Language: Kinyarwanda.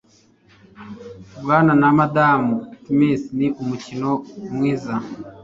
Bwana na Madamu Smith ni umukino mwiza.